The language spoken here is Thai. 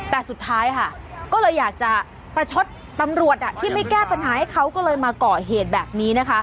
แต่สุดท้ายค่ะก็เลยอยากจะประชดตำรวจที่ไม่แก้ปัญหาให้เขาก็เลยมาก่อเหตุแบบนี้นะคะ